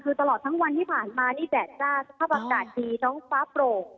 คือตลอดทั้งวันที่ผ่านมานี่แดดจ้าสภาพอากาศดีท้องฟ้าโปร่ง